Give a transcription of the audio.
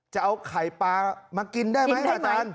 จะเอาไข่ปลามากินได้ไหมอาจารย์